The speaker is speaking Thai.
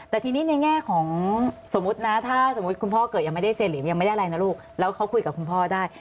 แต่ทีนี้ในแง่ของสมมุตินะถ้าสมมุติคุณพ่อเกิดยังไม่ได้เซลิมยังไม่ได้อะไรนะลูกแล้วเขาคุยกับคุณพ่อได้